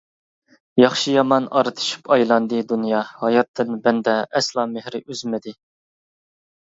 ياخشى-يامان ئارتىشىپ ئايلاندى دۇنيا، ھاياتتىن بەندە ئەسلا مېھرى ئۈزمىدى.